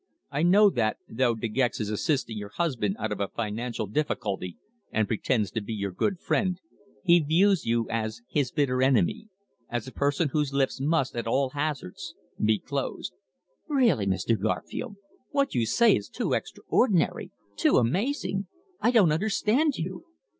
"I know that, though De Gex is assisting your husband out of a financial difficulty and pretends to be your good friend, he views you as his bitter enemy as a person whose lips must, at all hazards, be closed." "Really, Mr. Garfield, what you say is too extraordinary too amazing! I don't understand you!"